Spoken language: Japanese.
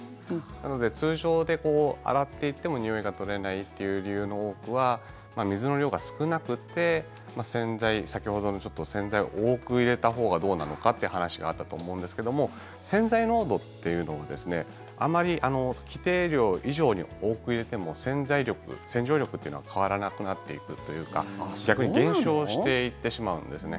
なので通常で洗っていてもにおいが取れないという理由の多くは水の量が少なくて洗剤、先ほどの洗剤を多く入れたほうがどうなのかって話があったと思うんですけども洗剤濃度っていうのはあまり規定量以上に多く入れても洗浄力というのは変わらなくなっていくというか逆に減少していってしまうんですね。